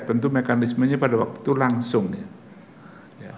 tentu mekanismenya pada waktu itu langsung ya